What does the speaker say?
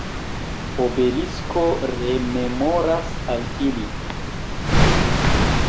Obelisko rememoras al ili.